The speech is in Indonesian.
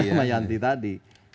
ibu damayanti tadi